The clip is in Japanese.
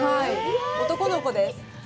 男の子です。